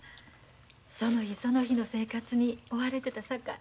その日その日の生活に追われてたさかい。